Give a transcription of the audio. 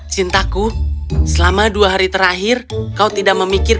cintaku selama dua hari terakhir kau tidak memikirkan